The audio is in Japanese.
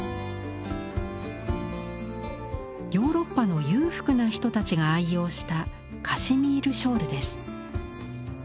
ヨーロッパの裕福な人たちが愛用したカシミールショールです。